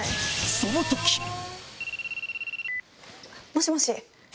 もしもし。